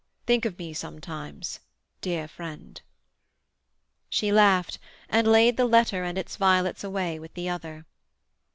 Think of me sometimes, dear friend." She laughed, and laid the letter and its violets away with the other.